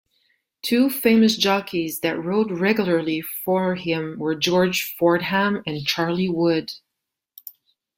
Two famous jockeys that rode regularly for him were George Fordham and Charlie Wood.